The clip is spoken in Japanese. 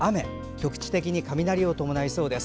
局地的に雷を伴いそうです。